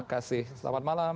makasih selamat malam